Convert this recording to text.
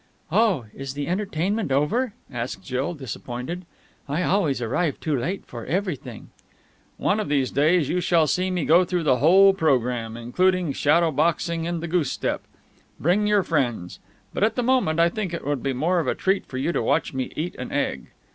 "Oh, is the entertainment over?" asked Jill, disappointed. "I always arrive too late for everything." "One of these days you shall see me go through the whole programme, including shadow boxing and the goose step. Bring your friends! But at the moment I think it would be more of a treat for you to watch me eat an egg.